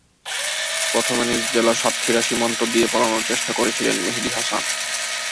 প্রথমে নিজ জেলা সাতক্ষীরা সীমান্ত দিয়ে পালানোর চেষ্টা করেছিলেন মেহেদি হাসান।